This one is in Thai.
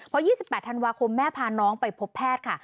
พอ๒๘ธันวาคมแม่พาน้องไปพบแพทย์ค่ะ